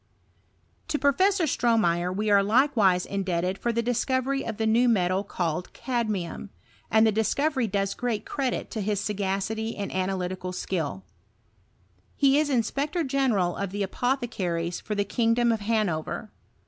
To Professor Stromeyer we are likewise indebteil Ar the discovery of the new metal called cadmium; and the discovery ^oes great credit to his sagacity mad analytical skill. He is inspector general of the apothecaries for the kingdom of Hanover.